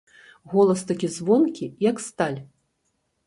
Голас такі звонкі, як сталь.